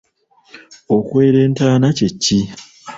Okwera entaana kye ki?